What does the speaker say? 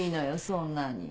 そんなに。